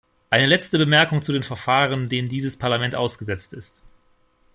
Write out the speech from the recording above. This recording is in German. Eine letzte Bemerkung zu den Verfahren, denen dieses Parlament ausgesetzt ist.